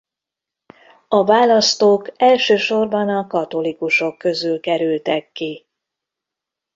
A választók elsősorban a katolikusok közül kerültek ki.